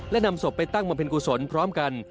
และนำศพไปตั้งบำเพ็ญกุศลพร้อมกัน